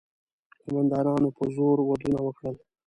قوماندانانو په زور ودونه وکړل.